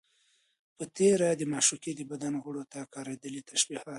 په تېره، د معشوقې د بدن غړيو ته کارېدلي تشبيهات